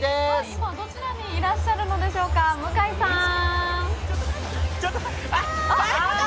今、どちらにいらっしゃるのでしょうか、向井さーん。